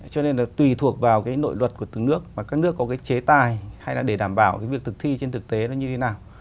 cho nên là tùy thuộc vào cái nội luật của từng nước và các nước có cái chế tài hay là để đảm bảo cái việc thực thi trên thực tế nó như thế nào